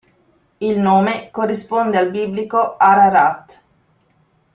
Il nome corrisponde al biblico Ararat.